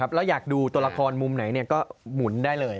แล้วอยากดูตัวละครมุมไหนก็หมุนได้เลย